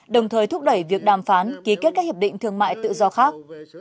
đồng thời thúc đẩy việc đàm phán ký kết các hiệp định thương mại tự do khác